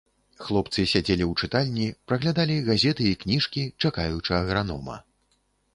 Хлопцы сядзелі ў чытальні, праглядалі газеты і кніжкі, чакаючы агранома.